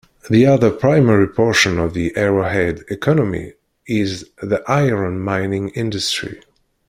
The other primary portion of the Arrowhead economy is the iron mining industry.